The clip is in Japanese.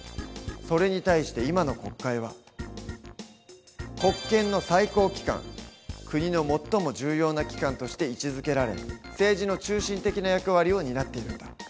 それに対して今の国会は国の最も重要な機関として位置づけられ政治の中心的な役割を担っているんだ。